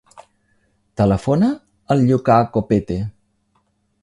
Telefona al Lucà Copete.